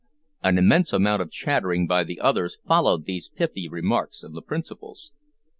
An immense amount of chattering by the others followed these pithy remarks of the principals.